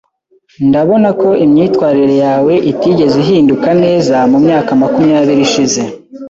Ndabona ko imyitwarire yawe itigeze ihinduka neza mumyaka makumyabiri ishize.